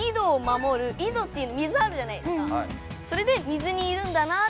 それで水にいるんだなっていう。